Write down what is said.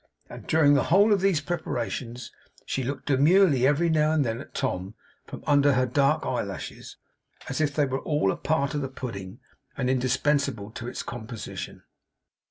and during the whole of these preparations she looked demurely every now and then at Tom, from under her dark eyelashes, as if they were all a part of the pudding, and indispensable to its composition.